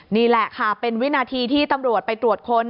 นี่แหละค่ะเป็นวินาทีที่ตำรวจไปตรวจค้น